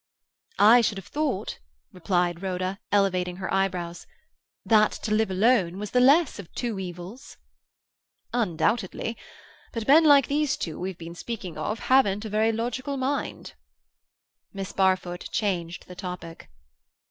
"I should have thought," replied Rhoda, elevating her eyebrows, "that to live alone was the less of two evils." "Undoubtedly. But men like these two we have been speaking of haven't a very logical mind." Miss Barfoot changed the topic.